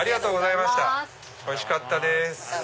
おいしかったです。